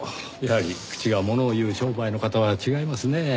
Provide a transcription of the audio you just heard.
やはり口が物を言う商売の方は違いますねぇ。